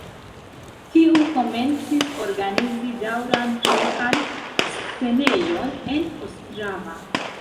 Tiu komencis organizi daŭran ĉeĥan scenejon en Ostrava.